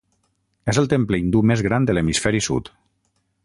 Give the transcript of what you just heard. És el temple hindú més gran de l'hemisferi sud.